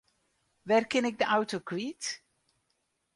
Wêr kin ik de auto kwyt?